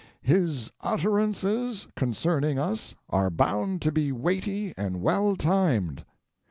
"His utterances concerning us are bound to be weighty and well timed."